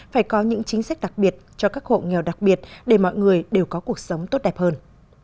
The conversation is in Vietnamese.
phải có những chính sách đặc biệt cho các hộ nghèo đặc biệt để mọi người đều có cuộc sống tốt đẹp hơn